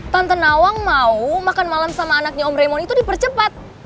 tante nawang mau makan malam sama anaknya omremon itu dipercepat